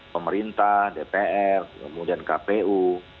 pemerintah dpr kemudian kpu